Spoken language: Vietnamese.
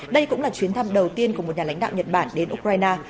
đây cũng là chuyến thăm đầu tiên của một nhà lãnh đạo nhật bản đến ukraine